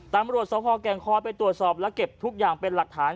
ตามรถเซาพอร์แกงคอดไปตรวจสอบและเก็บทุกอย่างเป็นหลักฐาน